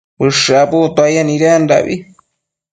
ushË abuctuaye nidendabi